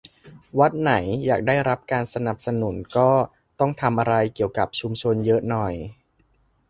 วัดไหนอยากได้รับการสนับสนุน ก็ต้องทำอะไรเกี่ยวกับชุมชนเยอะหน่อย